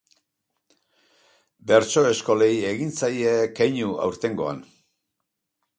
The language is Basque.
Bertso eskolei egin zaie keinu aurtengoan.